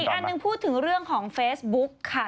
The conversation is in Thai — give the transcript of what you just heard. อันหนึ่งพูดถึงเรื่องของเฟซบุ๊กค่ะ